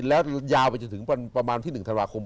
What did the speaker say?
แล้วยาวไปจนถึงประมาณที่๑ธันวาคม